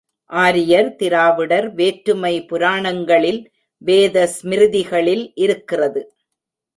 ஆரியர் திராவிடர் வேற்றுமை புராணங்களில், வேத ஸ்மிருதிகளில் இருக்கிறது.